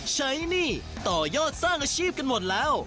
หนี้ต่อยอดสร้างอาชีพกันหมดแล้ว